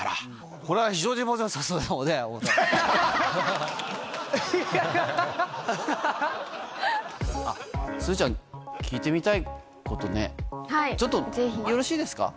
それじゃあ、すずちゃん、聞いてみたいこと、ちょっとよろしいですか。